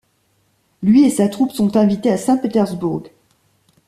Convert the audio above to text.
Lui et sa troupe sont invités à Saint-Pétersbourg.